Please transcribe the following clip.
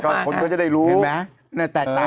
มันก็จะได้รู้เห็นไหมบางนี้